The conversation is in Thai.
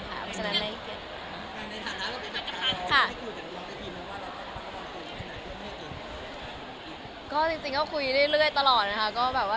ก็คุยเรื่อยตลอดนะฮะ